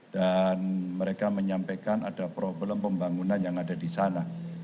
dan mereka menyampaikan ada problem pembangunan yang ada di sana